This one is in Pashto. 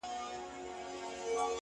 o سیاه پوسي ده. اوښکي نڅېږي.